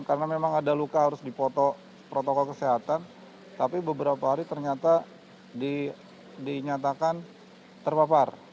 karena memang ada luka harus dipotong protokol kesehatan tapi beberapa hari ternyata dinyatakan terpapar